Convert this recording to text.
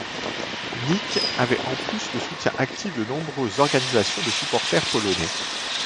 Nyc avait en plus le soutien actif de nombreuses organisations de supporters polonais.